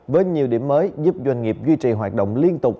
với nhiều điểm mới giúp doanh nghiệp duy trì hoạt động liên tục